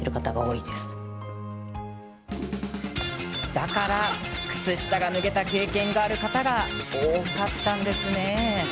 だから、靴下が脱げた経験がある方が多かったんですね。